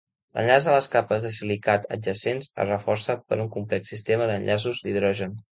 L'enllaç a les capes de silicat adjacents es reforça per un complex sistema d'enllaços d'hidrogen.